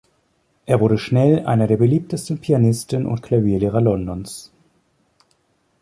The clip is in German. Er wurde schnell einer der beliebtesten Pianisten und Klavierlehrer Londons.